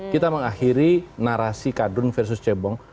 kita mengakhiri narasi kadun versus cebong